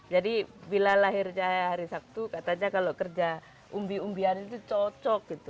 jadi bila lahir saya hari sabtu katanya kalau kerja umbi umbian itu cocok